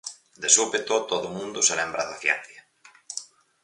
De súpeto, todo o mundo se lembra da ciencia.